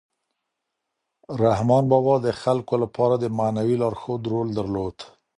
رحمان بابا د خلکو لپاره د معنوي لارښود رول درلود.